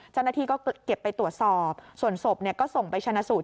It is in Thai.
เจ้าหน้าที่ก็เก็บไปตรวจสอบส่วนศพก็ส่งไปชนะสูตร